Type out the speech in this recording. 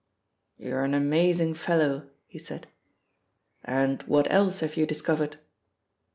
"You're an amazing fellow," he said. "And what else have you discovered?"